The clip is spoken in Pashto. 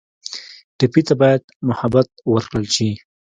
ټپي ته باید محبت ورکړل شي.